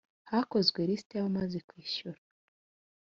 Hakozwe lisite yabamaze kwishyura